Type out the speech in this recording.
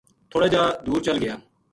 تھوڑا جا دُور چل گیا